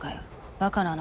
バカなの？